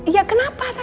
ya kenapa tapi kenapa